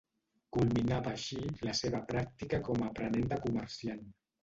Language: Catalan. Culminava així la seva pràctica com a aprenent de comerciant.